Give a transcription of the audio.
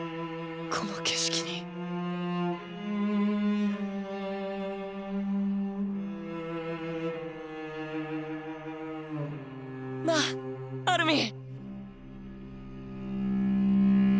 この景色に。なぁアルミン。